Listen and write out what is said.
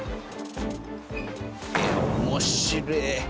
面白え！